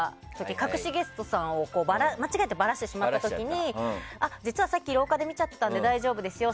隠しゲストさんを間違えてばらしてしまった時に実はさっき廊下で見ちゃったんで大丈夫ですよ